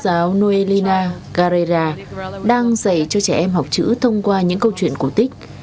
cô giáo noelina carrera đang dạy cho trẻ em học chữ thông qua những câu chuyện cổ tích